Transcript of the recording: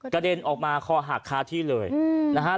เด็นออกมาคอหักคาที่เลยนะฮะ